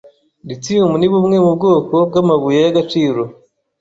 Lithium ni bumwe mu bwoko bw’amabuye y’agaciro